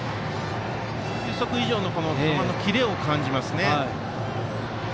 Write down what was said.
球速以上の球のキレを感じますよね。